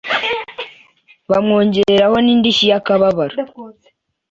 bamwongereraho n'indishyi y'akababaro